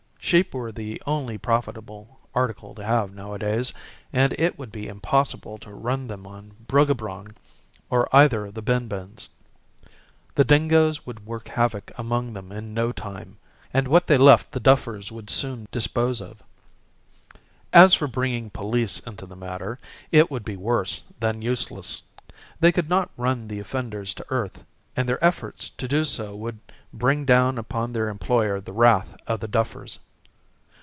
Sheep were the only profitable article to have nowadays, and it would be impossible to run them on Bruggabrong or either of the Bin Bins. The dingoes would work havoc among them in no time, and what they left the duffers would soon dispose of. As for bringing police into the matter, it would be worse than useless. They could not run the offenders to earth, and their efforts to do so would bring down upon their employer the wrath of the duffers.